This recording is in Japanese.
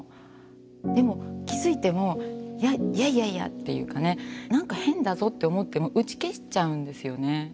でも気付いても「いやいやいや」っていうかねなんか変だぞって思っても打ち消しちゃうんですよね。